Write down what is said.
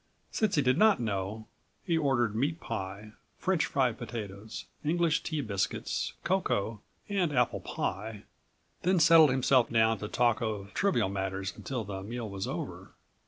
Since he did not know, he ordered meat pie, French fried potatoes, English tea biscuits, cocoa and apple pie, then settled himself down to talk of trivial matters until the meal was over.